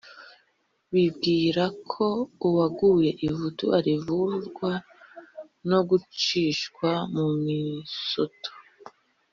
bibwira ko uwaguye ivutu arivurwa no gucishwa mu misoto.